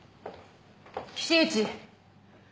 岸内！